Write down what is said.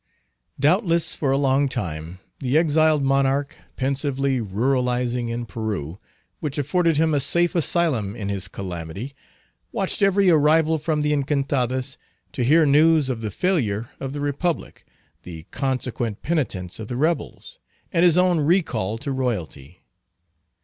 Doubtless for a long time the exiled monarch, pensively ruralizing in Peru, which afforded him a safe asylum in his calamity, watched every arrival from the Encantadas, to hear news of the failure of the Republic, the consequent penitence of the rebels, and his own recall to royalty.